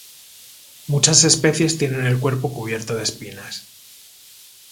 Muchas especies tienen el cuerpo cubierto de espinas.